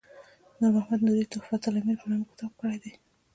نور محمد نوري تحفة الامیر په نامه کتاب کړی دی.